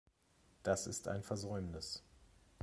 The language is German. Das ist ein Versäumnis.